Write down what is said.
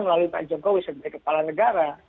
melalui pak jokowi sebagai kepala negara